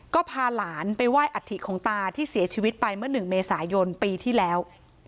ก็พาหลานไปไหว้อัฐิของตาที่เสียชีวิตไปเมื่อ๑เมษายนปีที่แล้ว